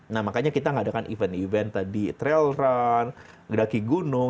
nah makanya kita nggak ada event event tadi trail run gedaki gunung